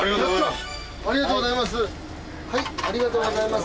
ありがとうございます。